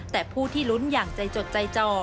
แต่ผู้ที่ลุ้นอย่างใจจดใจจ่อ